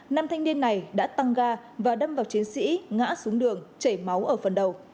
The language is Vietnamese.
nam thanh niên này đã tăng ga và đâm vào chiến sĩ ngã xuống đường chảy máu ở phần đầu